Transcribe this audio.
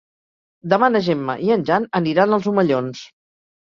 Demà na Gemma i en Jan aniran als Omellons.